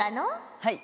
はい。